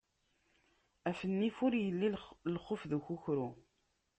Af nnif ur illi lxif d ukukru.